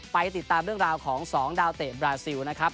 ไปติดตามเรื่องราวของ๒ดาวเตะบราซิลนะครับ